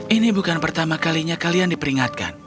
ini bukan pertama kalinya kalian diperingatkan